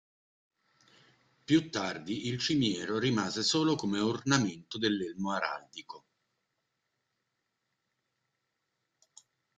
Più tardi il cimiero rimase solo come ornamento dell'elmo araldico.